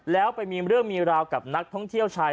แล้วไปมีเรื่องมีราวกับนักท่องเที่ยวชาย